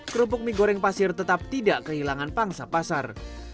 kerupuk mie goreng pasir tetap tidak kehilangan pangsa pasar